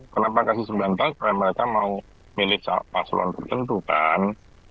kenapa kasih sembilan tahun karena mereka mau milih paslon tertentu kan